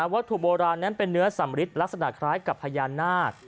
วัตถุโบราณนั้นเป็นเนื้อสำริดลักษณะคล้ายกับพญานาค